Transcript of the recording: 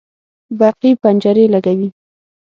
برقي پنجرې لګوي